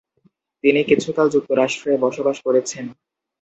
তিনি কিছুকাল যুক্তরাষ্ট্রে বসবাস করেছেন।